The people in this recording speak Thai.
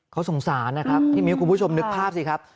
เขาสงสารนะครับพี่มิ้วคุณผู้ชมนึกภาพสิครับ